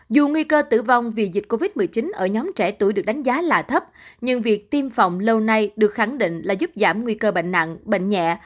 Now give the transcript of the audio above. dù nguy cơ tử vong vì dịch covid một mươi chín ở nhóm trẻ tuổi được đánh giá là thấp nhưng việc tiêm phòng lâu nay được khẳng định là giúp giảm nguy cơ bệnh nặng bệnh nhẹ